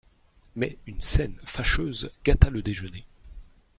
Mais une scène fâcheuse gâta le déjeuner.